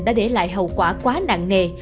đã để lại hậu quả quá nặng nghề